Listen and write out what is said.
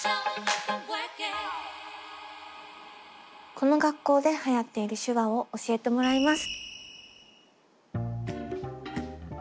この学校ではやっている手話を教えてもらいます。